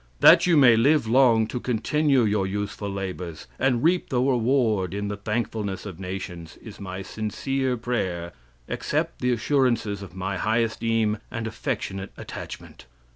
That you may live long to continue your useful labors, and reap the reward in the thankfulness of nations, is my sincere prayer. Accept the assurances of my high esteem and affectionate attachment.